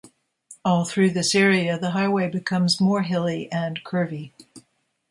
All through this area, the highway becomes more hilly and curvy.